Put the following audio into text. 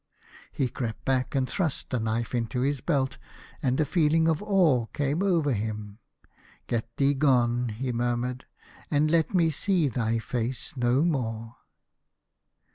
He crept back, and thrust the knife into his belt, and a feeling of awe came over him. "Get thee gone," he murmured, "and let me see thy face no more."